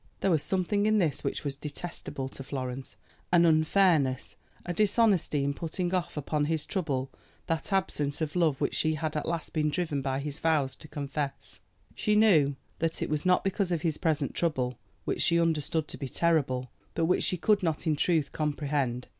There was something in this which was detestable to Florence, an unfairness, a dishonesty in putting off upon his trouble that absence of love which she had at last been driven by his vows to confess. She knew that it was not because of his present trouble, which she understood to be terrible, but which she could not in truth comprehend.